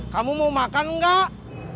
kamu mau makan enggak